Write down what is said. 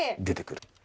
出てくる。